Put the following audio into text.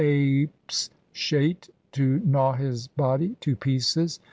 apshait to gnaw his body to pieces.